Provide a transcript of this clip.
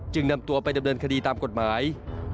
นำตัวไปดำเนินคดีตามกฎหมาย